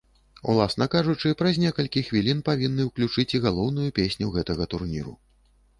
Уласна кажучы, праз некалькі хвілін павінны ўключыць і галоўную песню гэтага турніру.